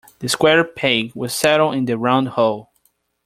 The square peg will settle in the round hole.